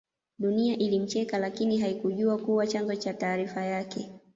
Dunia ilimcheka lakini haikujjua kuwa chanzo cha taarifa yake